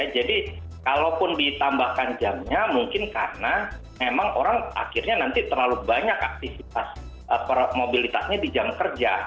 jadi kalau pun ditambahkan jamnya mungkin karena memang orang akhirnya nanti terlalu banyak aktivitas mobilitasnya di jam kerja